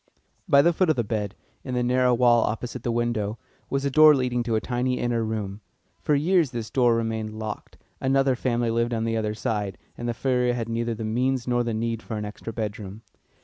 By the foot of the bed, in the narrow wall opposite the window, was a door leading to a tiny inner room. For years this door remained locked; another family lived on the other side, and the furrier had neither the means nor the need for an extra bedroom.